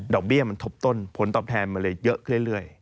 เบี้ยมันทบต้นผลตอบแทนมันเลยเยอะเรื่อย